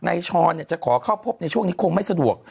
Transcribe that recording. ช้อนจะขอเข้าพบในช่วงนี้คงไม่สะดวก